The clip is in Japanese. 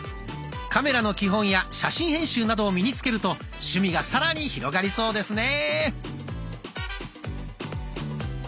カメラの基本や写真編集などを身につけると趣味がさらに広がりそうですね。